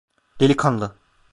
Delikanlı!